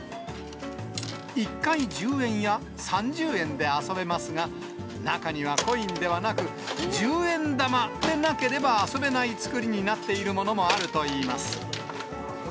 １回１０円や３０円で遊べますが、中にはコインではなく、十円玉でなければ遊べない作りになっているものもあるといいます。